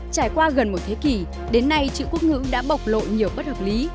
trải qua gần một thế kỷ đến nay chữ quốc ngữ đã bộc lộ nhiều bất hợp lý